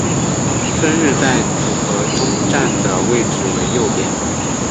春日在组合中站的位置为右边。